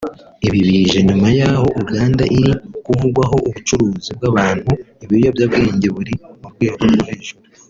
Ibi bije nyuma yaho Uganda iri kuvugwaho ubucuruzi bw’abantu n’ibiyobya bwenge buri mu rwego rwo hejuru